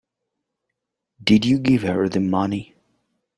Did you give her the money?